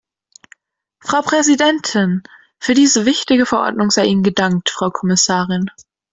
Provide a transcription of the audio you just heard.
Frau Präsidentin! Für diese wichtige Verordnung sei Ihnen gedankt, Frau Kommissarin.